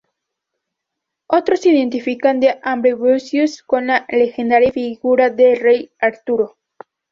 Otros identifican a Ambrosius con la legendaria figura del Rey Arturo.